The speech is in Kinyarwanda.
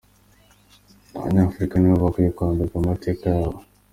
Abanyafurika nibo bakwiye kwandika amateka yabo.